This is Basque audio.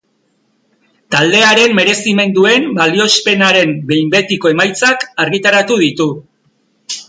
Taldearen merezimenduen balioespenaren behin betiko emaitzak argitaratu ditu.